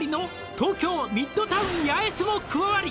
「東京ミッドタウン八重洲も加わり」